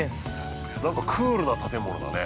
クールな建物だね。